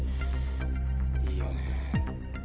いいよね？